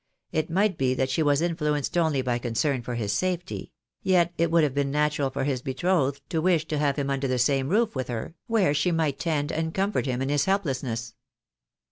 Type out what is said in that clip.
It might be that she was influenced only by concern for his safety; yet it would have been natural for his betrothed to wish to have him under the same roof with her, where she might tend and comfort him in his helplessness.